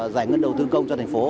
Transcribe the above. giải ngân đầu tư công cho thành phố